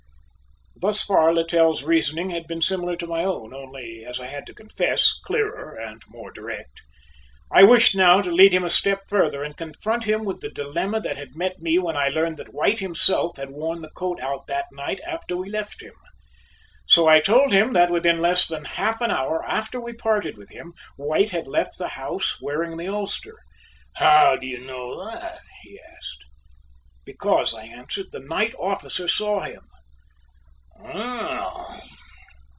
Thus far Littell's reasoning had been similar to my own, only, as I had to confess, clearer and more direct. I wished now to lead him a step further and confront him with the dilemma that had met me when I learned that White himself had worn the coat out that night after we left him. So I told him that within less than half an hour after we parted with him White had left the house wearing the ulster. "How do you know that?" he asked. "Because," I answered, "the night officer saw him."